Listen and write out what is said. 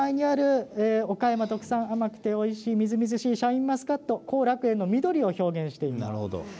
手前にある岡山特産、甘くておいしいみずみずしいシャインマスカット後楽園の緑を表現しています。